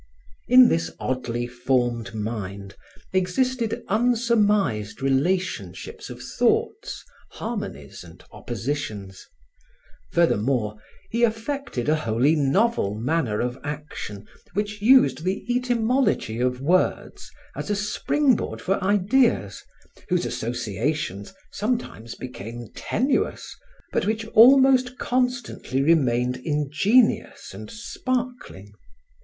In this oddly formed mind existed unsurmised relationships of thoughts, harmonies and oppositions; furthermore, he affected a wholly novel manner of action which used the etymology of words as a spring board for ideas whose associations sometimes became tenuous, but which almost constantly remained ingenious and sparkling.